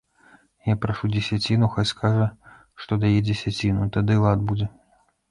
Я прашу дзесяціну, хай скажа, што дае дзесяціну, тады і лад будзе.